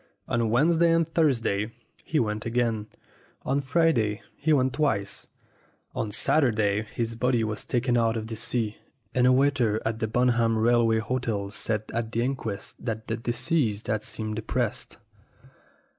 On Wednesday and Thursday he went again. On Friday he went twice. On Saturday his body was taken out of the sea, and a waiter at the Bunham Rail way Hotel said at the inquest that the deceased had seemed depressed.